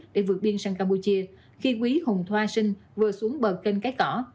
để vượt biên sang campuchia